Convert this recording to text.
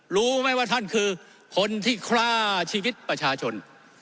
รู้ไหมว่าท่านคือคนที่ฆ่าชีวิตประชาชน